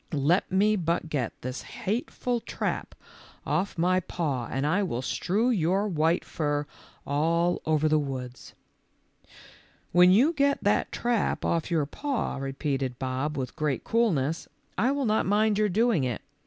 "Let me but get this hateful trap off my paw 144 THE LITTLE FORESTERS. and I will strew your white fur all over the woods." "When you get that trap off your paw," repeated Bob w T ith great coolness, " I will not mind your doing it.